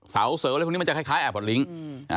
สาวเสิร์ฟมันจะคล้ายแอร์พอร์ตเรียวลิงค์